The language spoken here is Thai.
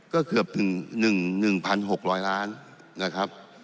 ก็เกือบ๑๖๐๐ล้านนะครับ